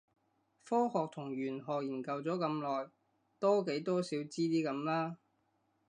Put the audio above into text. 科學同玄學研究咗咁耐，多幾多少知啲咁啦